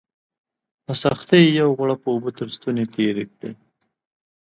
په سختۍ یې یو غوړپ اوبه تر ستوني تېري کړې